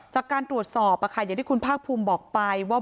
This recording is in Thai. จากการตรวจสอบอย่างที่คุณภาคภูมิบอกไปว่า